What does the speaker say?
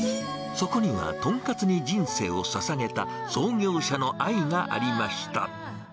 そこには、とんかつに人生をささげた創業者の愛がありました。